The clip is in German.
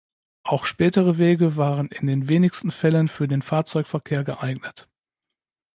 Auch spätere Wege waren in den wenigsten Fällen für den Fahrzeugverkehr geeignet.